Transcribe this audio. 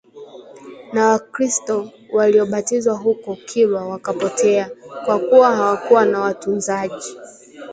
Na wakristo waliobatizwa huko kilwa wakapotea, kwa kuwa hawakuwa na watunzaji